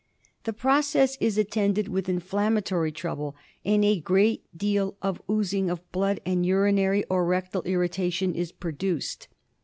The process is attended with inflammatory trouble and a good deal of oozing of blood, and urinary or rectal irritation is produced.